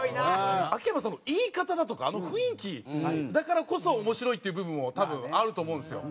秋山さんの言い方だとかあの雰囲気だからこそ面白いっていう部分も多分あると思うんですよ。